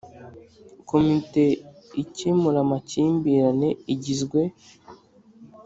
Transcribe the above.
Komite ikemura amakimbirane igizwe